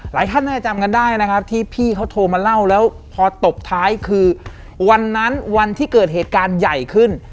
หลายท่านน่าจะจำได้ที่พี่เขาโทรมาเล่าพอตบท้ายคือวันนั้นวันที่เกิดเหตุการณ์ใหญ่ขึ้น